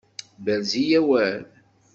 Berz-iyi awal!